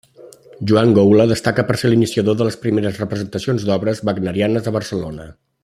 Joan Goula destaca per ser l'iniciador de les primeres representacions d'obres wagnerianes a Barcelona.